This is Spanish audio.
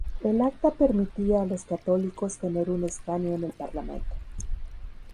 El acta permitía a los católicos tener un escaño en el parlamento.